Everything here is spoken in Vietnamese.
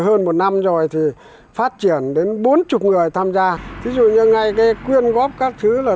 hơn một năm rồi thì phát triển đến bốn mươi người tham gia thí dụ như ngay cái quyên góp các thứ là